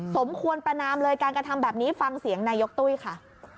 สมควรประนามเลยการกระทำแบบนี้ฟังเสียงนายกตุ้ยค่ะ